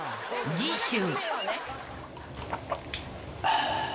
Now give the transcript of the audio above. ［次週］